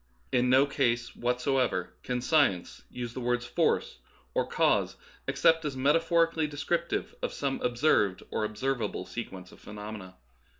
In no case whatever can science use the words " force " or " cause " except as metaphori cally descriptive of some observed or observable sequence of phenomena.